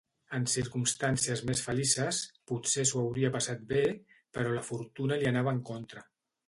En circumstàncies més felices, potser s'ho hauria passat bé, però la fortuna li anava en contra.